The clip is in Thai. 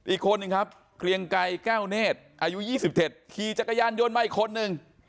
อีกคนนึงครับเกลียงไกรแก้วเนธอายุ๒๗ขี่จักรยานยนต์มาอีกคนนึง